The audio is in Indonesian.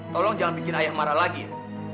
tolong jangan bikin ayah marah lagi ya